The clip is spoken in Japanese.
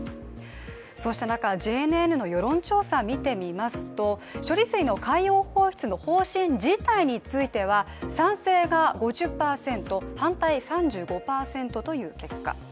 そうした中、ＪＮＮの世論調査を見てみますと処理水の海洋放出の方針自体については賛成が５０％、反対３５％という結果。